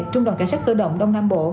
trung đoàn cảnh sát cơ động đông nam bộ